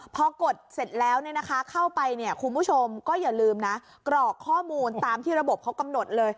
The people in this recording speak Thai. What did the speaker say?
พอกดเสร็จแล้วเข้าไปคุณผู้ชมก็อย่าลืมนะกรอกข้อมูลตามที่ระบบเขากำหนดเลย